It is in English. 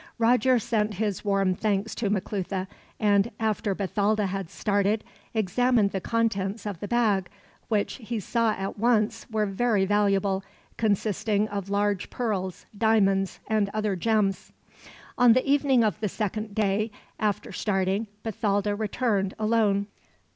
Roger sent his warm thanks to Maclutha and, after Bathalda had started, examined the contents of the bag, which he saw at once were very valuable consisting of large pearls, diamonds, and other gems. On the evening of the second day after starting, Bathalda returned, alone.